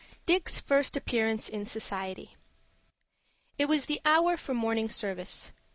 DICK'S FIRST APPEARANCE IN SOCIETY It was the hour for morning service.